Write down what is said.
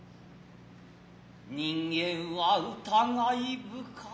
人間は疑深い。